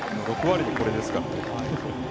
６割でこれですからね。